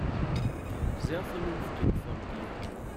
Sehr vernünftig von dir.